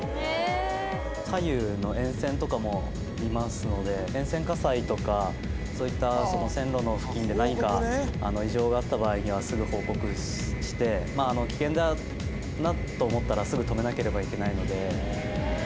左右の沿線とかも見ますので、沿線火災とか、そういった線路の付近で何か異常があった場合には、すぐ報告して、危険だなと思ったら、すぐ止めなければいけないので。